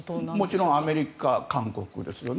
もちろんアメリカ、韓国ですよね。